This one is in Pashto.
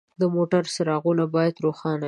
د موټر څراغونه باید روښانه وي.